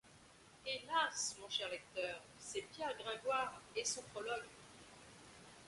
Hélas! mon cher lecteur, c’est Pierre Gringoire et son prologue.